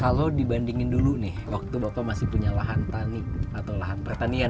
kalau dibandingin dulu nih waktu bapak masih punya lahan tani atau lahan pertanian